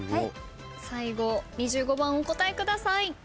最後２５番お答えください。